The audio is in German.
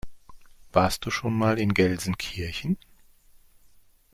Warst du schon mal in Gelsenkirchen?